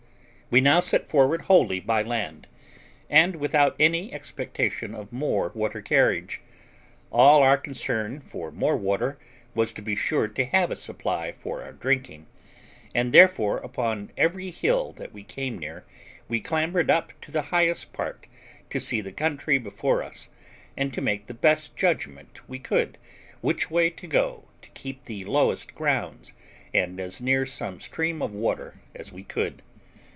We now set forward wholly by land, and without any expectation of more water carriage. All our concern for more water was to be sure to have a supply for our drinking; and therefore upon every hill that we came near we clambered up to the highest part to see the country before us, and to make the best judgment we could which way to go to keep the lowest grounds, and as near some stream of water as we could.